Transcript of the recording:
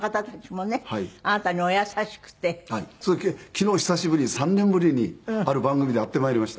昨日久しぶりに３年ぶりにある番組で会ってまいりました。